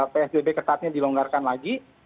psbb ketatnya dilonggarkan lagi